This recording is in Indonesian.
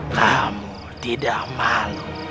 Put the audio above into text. kau tidak malu